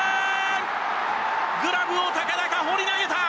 グラブを高々放り投げた！